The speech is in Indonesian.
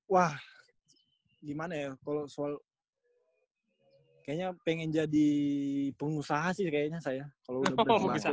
wah gimana ya kalau soal kayaknya pengen jadi pengusaha sih kayaknya saya kalau udah berjuang